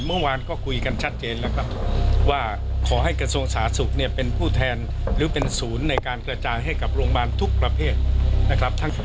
เมื่อวานก็คุยกันชัดเจนแล้วครับว่าขอให้กระทรวงสาธารณสุขเนี่ยเป็นผู้แทนหรือเป็นศูนย์ในการกระจายให้กับโรงพยาบาลทุกประเภทนะครับ